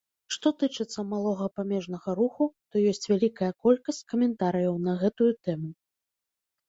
Што тычыцца малога памежнага руху, то ёсць вялікая колькасць каментарыяў на гэтую тэму.